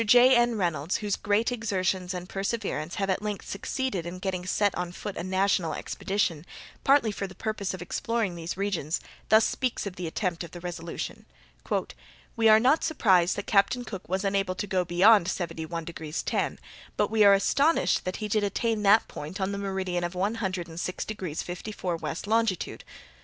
J. N. Reynolds, whose great exertions and perseverance have at length succeeded in getting set on foot a national expedition, partly for the purpose of exploring these regions, thus speaks of the attempt of the Resolution. "We are not surprised that Captain Cook was unable to go beyond 71 degrees 10', but we are astonished that he did attain that point on the meridian of 106 degrees 54' west longitude.